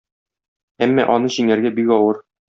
Әмма аны җиңәргә бик авыр.